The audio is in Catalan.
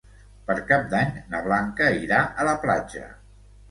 Per Cap d'Any na Blanca irà a la platja.